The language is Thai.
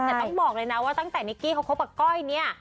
แต่ต้องบอกเลยนะว่าตั้งแต่นิกกี้เขาคบกับก้อยเนี่ย